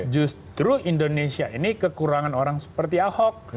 justru indonesia ini kekurangan orang seperti ahok